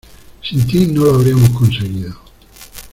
Sin ti no lo habríamos conseguido.